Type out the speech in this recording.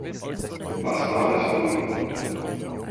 Was war es nur?